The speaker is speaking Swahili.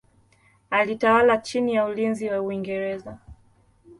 Alitawala chini ya ulinzi wa Uingereza.